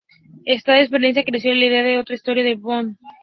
De esta experiencia creció la idea de otra historia de Bond.